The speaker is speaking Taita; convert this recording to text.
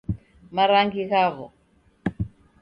Marangi ghawo